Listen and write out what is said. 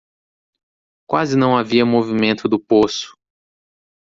Quase não havia movimento do poço.